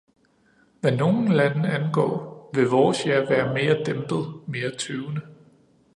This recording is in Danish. Hvad nogle lande angår, vil vores ja være mere dæmpet, mere tøvende.